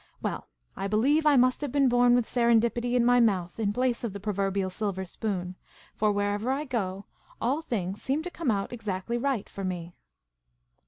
Well, I believe I must have been born with serendipity in my mouth, in place of the proverbial silver spoon, for, wherever I go, all things seem to come out exactly right for me.